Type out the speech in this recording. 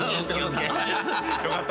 よかった。